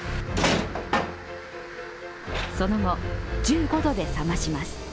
その後、１５度で冷まします。